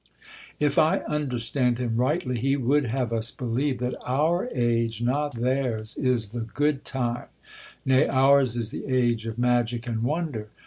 If I understand him rightly, he would have us believe that our age, not theirs, is the "good time"; nay, ours is the age of magic and wonder.